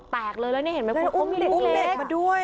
แตกเลยแล้วนี่เห็นไหมคุณอุ้มเหล็กมาด้วย